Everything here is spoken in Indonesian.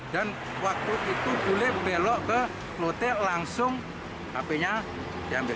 dan waktu itu bule belok ke lote langsung hp nya diambil